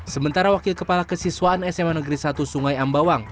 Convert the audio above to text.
sementara wakil kepala kesiswaan sma negeri satu sungai ambawang